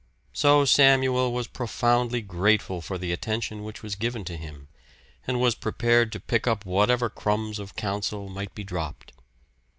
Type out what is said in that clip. So Samuel was profoundly grateful for the attention which was given to him, and was prepared to pick up whatever crumbs of counsel might be dropped.